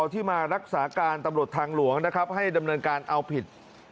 ที่มารักษาการตำรวจทางหลวงนะครับให้ดำเนินการเอาผิด